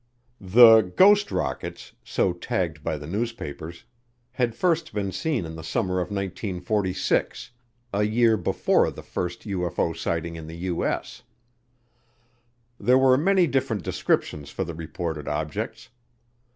The "ghost rockets," so tagged by the newspapers, had first been seen in the summer of 1946, a year before the first UFO sighting in the U.S. There were many different descriptions for the reported objects.